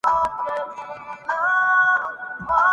عشق کا‘ اس کو گماں‘ ہم بے زبانوں پر نہیں